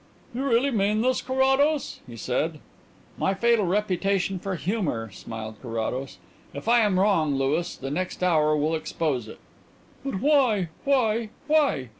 "You really mean this, Carrados?" he said. "My fatal reputation for humour!" smiled Carrados. "If I am wrong, Louis, the next hour will expose it." "But why why why?